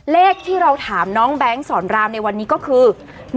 เลขที่เราถามน้องแบงค์สอนรามในวันนี้ก็คือ